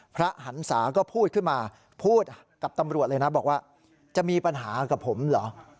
หันศาก็พูดขึ้นมาพูดกับตำรวจเลยนะบอกว่าจะมีปัญหากับผมเหรอ